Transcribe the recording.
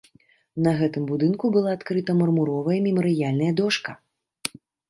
На гэтым будынку была адкрыта мармуровая мемарыяльная дошка.